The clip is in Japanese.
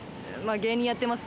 芸人やってます